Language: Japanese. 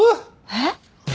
えっ？